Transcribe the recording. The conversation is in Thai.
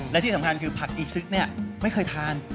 และที่สำคัญคือผักอีซึกเนี่ยไม่เคยทาน